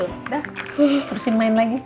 udah terusin main lagi